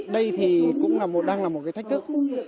đây thì cũng đang là một cái thách thức